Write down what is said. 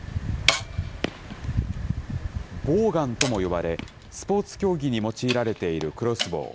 ボーガンとも呼ばれ、スポーツ競技に用いられているクロスボウ。